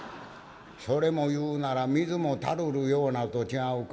「それも言うなら『水も垂るるような』と違うか？」。